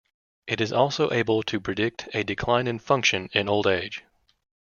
It is also able to predict a decline in function in old age.